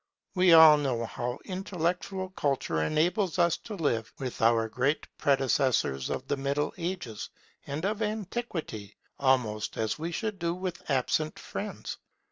We all know how intellectual culture enables us to live with our great predecessors of the Middle Ages and of Antiquity, almost as we should do with absent friends.